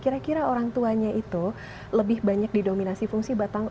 kira kira orang tuanya itu lebih banyak didominasi fungsi batang